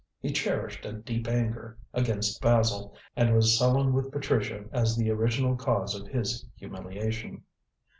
He cherished a deep anger against Basil, and was sullen with Patricia as the original cause of his humiliation.